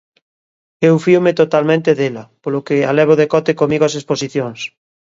Eu fíome totalmente dela, polo que a levo decote comigo ás exposicións.